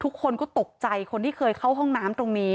ทุกคนก็ตกใจคนที่เคยเข้าห้องน้ำตรงนี้